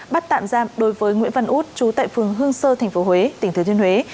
bắt tạm giam đối với nguyễn văn út chú tại phường hương sơ tp huế tỉnh thứ thiên huế